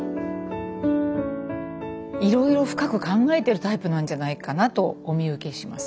いろいろ深く考えてるタイプなんじゃないかなとお見受けします。